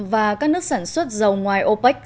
và các nước sản xuất dầu ngoài opec